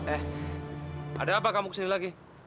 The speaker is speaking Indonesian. eh ada apa kamu kesini lagi